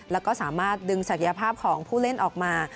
แล้วก็สามารถดึงศักยภาพของผู้เล่นออกมา